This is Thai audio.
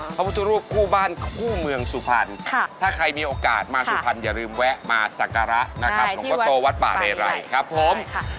พระพุทธรูปคู่บ้านคู่เมืองสุพรรณถ้าใครมีโอกาสมาสุพรรณอย่าลืมแวะมาสักการะนะครับหลวงพ่อโตวัดป่าเรไรครับผม